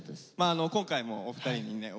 今回もお二人にね